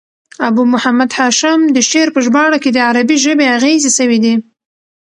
ابو محمد هاشم د شعر په ژباړه کښي د عربي ژبي اغېزې سوي دي.